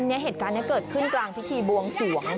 เหตุการณ์นี้เกิดขึ้นกลางพิธีบวงสวง